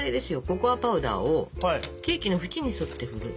ココアパウダーをケーキの縁に沿って振る。